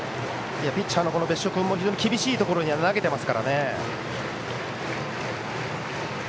ピッチャーの別所君も非常に厳しいところに投げています。